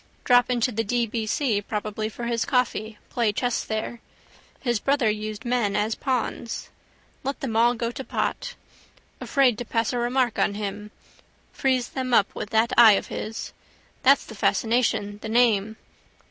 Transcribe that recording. Drop into the D.B.C. probably for his coffee, play chess there. His brother used men as pawns. Let them all go to pot. Afraid to pass a remark on him. Freeze them up with that eye of his. That's the fascination: the name.